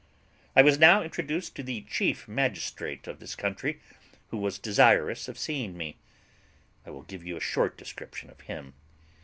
"I was now introduced to the chief magistrate of this country, who was desirous of seeing me. I will give you a short description of him.